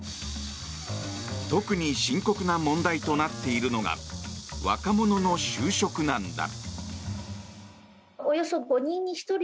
特に深刻な問題となっているのが若者の就職難だ。